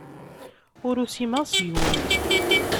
Ur usimeɣ seg-went.